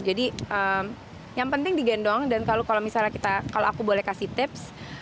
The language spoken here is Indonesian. jadi yang penting digendong dan kalau misalnya kita kalau aku boleh kasih tips